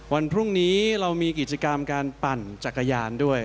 วันพรุ่งนี้เรามีกิจกรรมการปั่นจักรยานด้วย